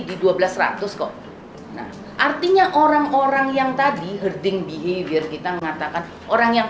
di dua belas seratus kok nah artinya orang orang yang tadi hearding behavior kita mengatakan orang yang